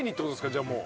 じゃあもう。